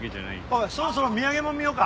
おいそろそろ土産もん見よか。